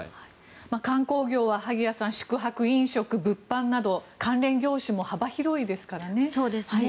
観光業は萩谷さん宿泊、飲食、物販など関連業種も幅広いですからね。